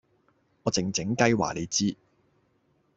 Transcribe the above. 我靜靜雞話你知